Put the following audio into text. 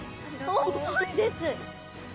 重いです。